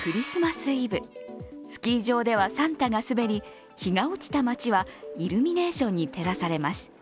スキー場ではサンタが滑り日が落ちた街はイルミネーションに照らされます。